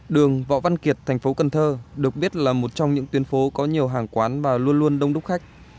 đường võ văn kiệt thành phố cần thơ được biết là một trong những tuyến phố có nhiều hàng quán và luôn luôn đông đúc khách